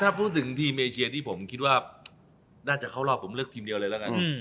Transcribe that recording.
ถ้าพูดถึงทีมเอเชียที่ผมคิดว่าน่าจะเข้ารอบผมเลือกทีมเดียวเลยแล้วกัน